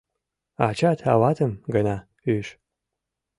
Ачат-аватым гына ӱж.